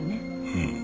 うん。